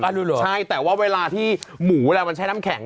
ใช่แต่ว่าเวลาที่หมูเวลามันใช้น้ำแข็ง